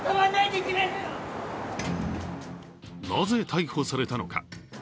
なぜ逮捕されたのか。